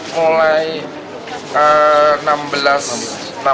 mulai kapan pak